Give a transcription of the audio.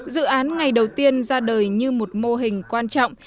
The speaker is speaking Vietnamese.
dự án ngày đầu tiên ra đời như một mô hình quan trọng